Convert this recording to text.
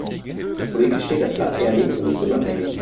Politisch steht das Blatt eher links und ist unabhängig.